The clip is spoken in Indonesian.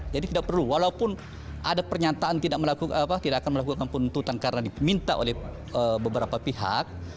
jadi tidak perlu walaupun ada pernyataan tidak akan melakukan penuntutan karena diminta oleh beberapa pihak